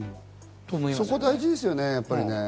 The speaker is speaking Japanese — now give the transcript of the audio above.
そこ大事ですよね。